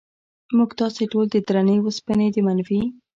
موږ تاسې ټول د درنې وسپنې د منفي